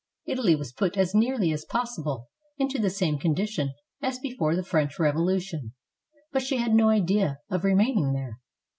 Italy was put as nearly as possible into the same condition as before the French Revolution; but she had no idea of remaining there.